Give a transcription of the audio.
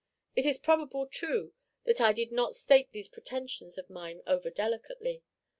It is probable, too, that I did not state these pretensions of mine over delicately.